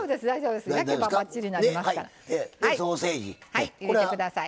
はい入れて下さい。